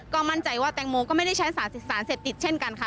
ก็มั่นใจว่าแตงโมก็ไม่ได้ใช้สารเสพติดเช่นกันค่ะ